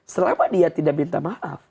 selama dia tidak minta maaf